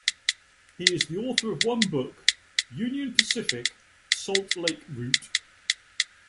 He is the author of one book, "Union Pacific: Salt Lake Route".